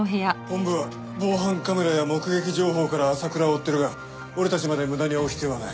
本部は防犯カメラや目撃情報から朝倉を追ってるが俺たちまで無駄に追う必要はない。